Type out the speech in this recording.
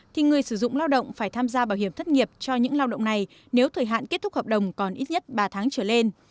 thì người sử dụng lao động phải tham gia bảo hiểm thất nghiệp cho những lao động này nếu thời hạn kết thúc hợp đồng còn ít nhất ba tháng trở lên